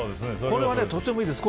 これはとてもいいです。